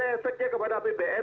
efeknya kepada bbm